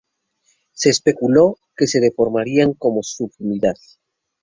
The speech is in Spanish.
Se especuló que se formarían como subunidad.